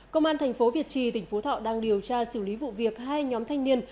công an tp việt trì tp thọ đang điều tra xử lý vụ việc hai nhóm thanh niên